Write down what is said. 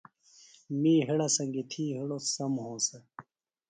می ہِڑہ سنگیۡ تھی ہڑوۡ سم ہونسہ۔